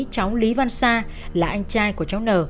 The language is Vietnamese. cháu lý văn sa là anh trai của cháu n